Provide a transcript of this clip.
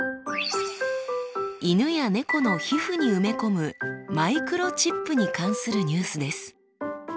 犬や猫の皮膚に埋め込むマイクロチップに関するニュースです。